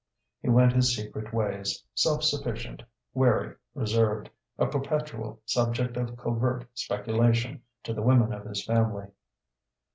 He went his secret ways, self sufficient, wary, reserved; a perpetual subject of covert speculation to the women of his family.